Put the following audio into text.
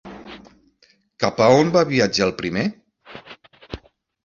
Cap a on va viatjar el primer?